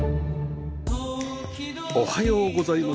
おはようございます。